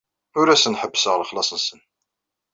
Ur asen-ḥebbseɣ lexlaṣ-nsen.